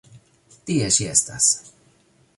Tie ŝi estas.